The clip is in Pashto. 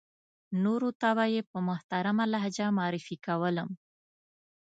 نورو ته به یې په محترمه لهجه معرفي کولم.